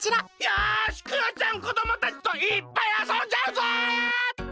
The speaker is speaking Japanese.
よしクヨちゃんこどもたちといっぱいあそんじゃうぞ！